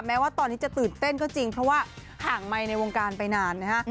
แม้ว่าตอนนี้จะตื่นเต้นก็จริงเพราะว่าห่างไมค์ในวงการไปนานนะฮะ